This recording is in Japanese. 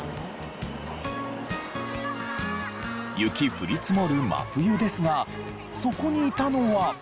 雪降り積もる真冬ですがそこにいたのは。